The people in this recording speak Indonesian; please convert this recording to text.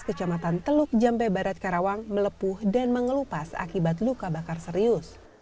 kecamatan teluk jambe barat karawang melepuh dan mengelupas akibat luka bakar serius